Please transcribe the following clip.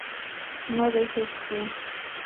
No dejes que...